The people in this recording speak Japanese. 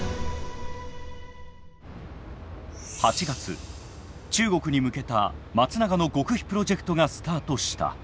８月中国に向けた松永の極秘プロジェクトがスタートした。